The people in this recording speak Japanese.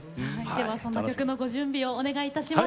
ではそんな曲のご準備をお願いいたします。